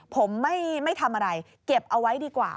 ผมไม่ทำอะไรเก็บเอาไว้ดีกว่า